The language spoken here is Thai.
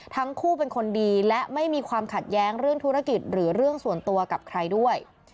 ทั้งคู่เป็นคนดีและไม่มีความขัดแย้งเรื่องธุรกิจหรือเรื่องส่วนตัวกับใครด้วย